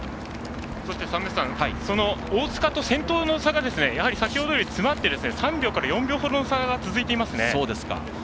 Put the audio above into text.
そして、その大塚と先頭の差が先ほどより詰まって３秒から４秒ほどの差が続いています。